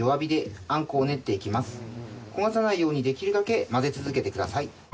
焦がさないようにできるだけ混ぜ続けてください。